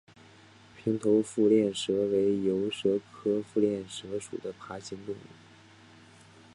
平头腹链蛇为游蛇科腹链蛇属的爬行动物。